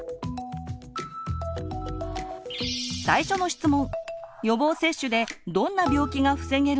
最初の質問！